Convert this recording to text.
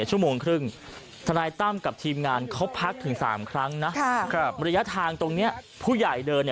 ชั่วโมงครึ่งทนายตั้มกับทีมงานเขาพักถึง๓ครั้งนะระยะทางตรงนี้ผู้ใหญ่เดิน